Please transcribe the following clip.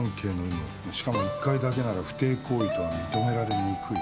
しかも一回だけなら不貞行為とは認められにくい」